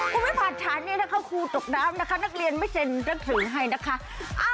คุณไม่ผ่านฉานนี้นะคะครูตกน้ำนะคะนักเรียนไม่เซ็นนับถือให้นะคะ